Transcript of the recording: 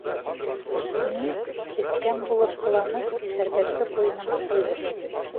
Мин, эскән булып ҡыланып, шәрбәтте ҡуйыныма ҡойҙом.